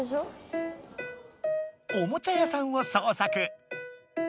おもちゃ屋さんを捜索！